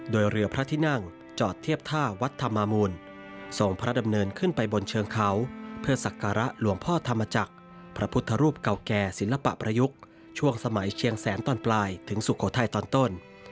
โดยเรือพระที่นั่งจอดเทียบท่าวัดธรรมมูลส่งพระดำเนินขึ้นไปบนเชิงเขาเพื่อสักการะหลวงพ่อธรรมจักรพระพุทธรูปเก่าแก่ศิลปะประยุกต์ช่วงสมัยเชียงแสนตอนปลายถึงสุโขทัยตอนต้น